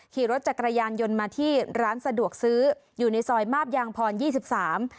ขี่รถจักรยานยนต์มาที่ร้านสะดวกซื้ออยู่ในซอยมาบยางพรยี่สิบสาม